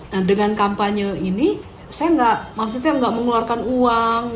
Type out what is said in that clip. nah dengan kampanye ini saya maksudnya nggak mengeluarkan uang